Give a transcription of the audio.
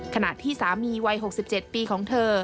ขณะที่สามีวัย๖๗ปีของเธอ